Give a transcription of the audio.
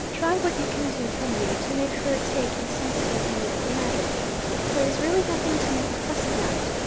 Try what you can do, Henry, to make her take a sensible view of the matter. There is really nothing to make a fuss about.